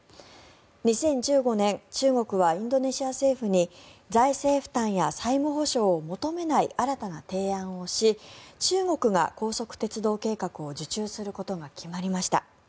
２０１５年、中国はインドネシア政府に財政負担や債務保証を求めない新たな提案をし中国が高速鉄道計画を受注することが決まりました。